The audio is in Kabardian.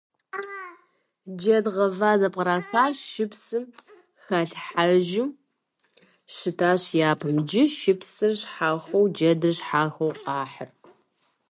Джэд гъэва зэпкърыхар шыпсым халъхьэжу щытащ япэм, иджы шыпсыр щхьэхуэу джэдыр щхьэхуэу къахьыр.